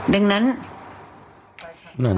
ดังนั้น